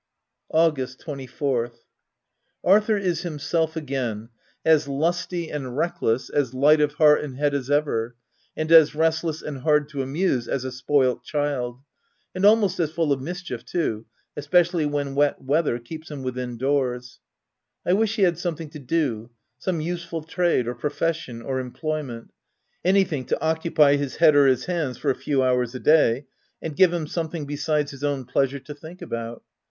OF WILDFELL HALL. 119 August 24. Arthur is himself again, as lusty and reckless, as light of heart and head as ever, and as restless and hard to amuse as a spoilt child, — and almost as full of mischief too, especially when wet weather keeps him within doors. I wish he had something to do, some useful trade, or profession, or employment — anything to occupy his head or his hands for a few hours a day, and give him something besides his own pleasure to think about.